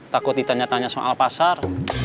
takut ditanya tanya soal pasar